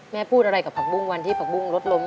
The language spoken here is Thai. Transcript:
แม่พูดอะไรกับภักบุ้งวันที่ภักบุ้งรถล้ม